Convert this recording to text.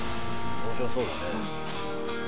面白そうだね。